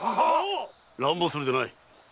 乱暴するでない。